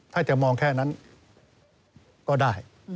ถ้าจะมองแค่นั้นก็ได้